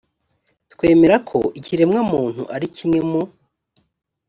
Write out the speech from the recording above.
twemera ko ikiremwa muntu ari kimwe mu